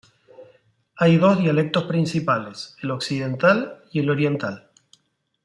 Hay dos dialectos principales, el occidental y el oriental.